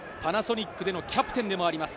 パナソニックでのキャプテンでもあります。